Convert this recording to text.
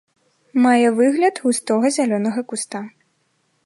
Мае выгляд густога зялёнага куста.